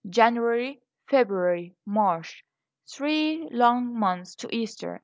January, February, March three long months to Easter!